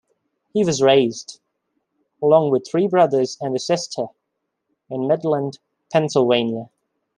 He was raised, along with three brothers and a sister, in Midland, Pennsylvania.